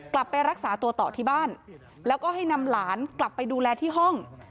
กลับไปรักษาตัวต่อที่บ้านแล้วก็ให้นำหลานกลับไปดูแลที่ห้อง